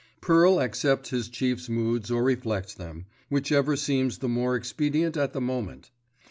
Pearl accepts his chief's moods or reflects them, whichever seems the more expedient at the moment.